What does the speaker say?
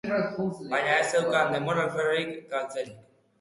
Baina ez zeukan denbora alferrik galtzerik.